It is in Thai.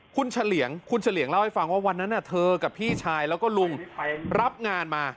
คุณฉะเลียงเล่าให้ฟังว่าวันนั้นน่ะธ์เธอกับพี่ชายแล้วก็ลุงรับงานมา